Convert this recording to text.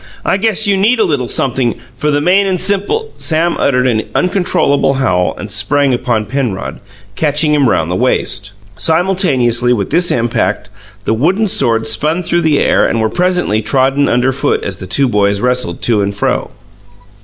I guess you need a little sumpthing, for the main and simple " Sam uttered an uncontrollable howl and sprang upon Penrod, catching him round the waist. Simultaneously with this impact, the wooden swords spun through the air and were presently trodden underfoot as the two boys wrestled to and fro.